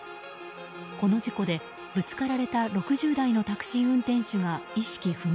この事故でぶつかられた６０代のタクシー運転手が意識不明